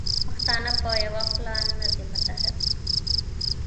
پښتانه په یوه خوله نه دي متحد.